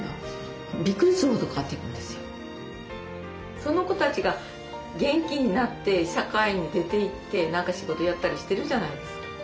その子たちが元気になって社会に出ていって何か仕事やったりしてるじゃないですか。